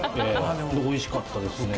でおいしかったですね。